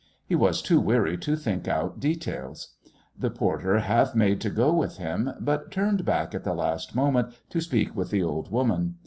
He was too weary to think out details. The porter half made to go with him, but turned back at the last moment to speak with the old woman.